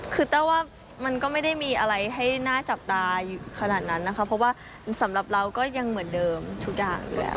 คือแต้วว่ามันก็ไม่ได้มีอะไรให้น่าจับตาอยู่ขนาดนั้นนะคะเพราะว่าสำหรับเราก็ยังเหมือนเดิมทุกอย่างอยู่แล้ว